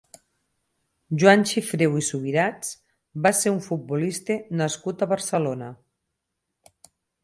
Joan Xifreu i Subirats va ser un futbolista nascut a Barcelona.